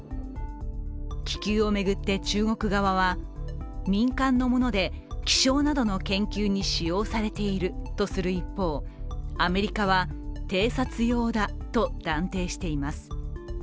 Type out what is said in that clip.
気球を巡って中国側は、民間のもので気象などの研究に使用されているとする一方、アメリカは偵察用だと断定しています。